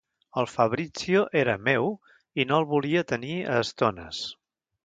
El Fabrizio era meu i no el volia tenir a estones.